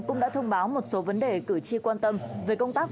cũng đã thông báo một số vấn đề cử tri quan tâm về công tác